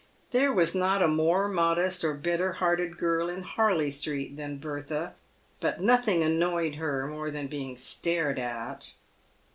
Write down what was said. There was not a more modest or better hearted girl in Harley street than Bertha, but nothing annoyed her more than being stared at.